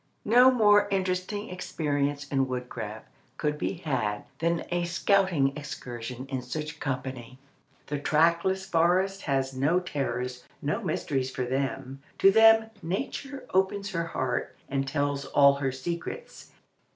No more interesting experience in woodcraft could be had than a scouting excursion in such company. The trackless forest has no terrors, no mysteries for them. To them Nature opens her heart, and tells all her secrets.